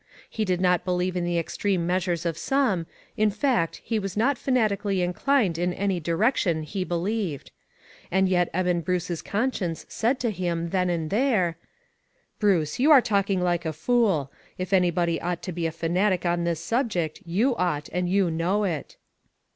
He did not believe in the extreme measures of some ; in fact, he was not fanatically in clined in any direction he believed. And yet Eben Brace's conscience said to him then and there :" Bruce, you are talking like a fool. If anybody ought to be a fanatic on this sub ject, you ought, and you know it."